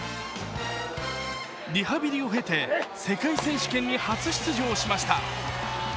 リハビリを経て、世界選手権に初出場しました。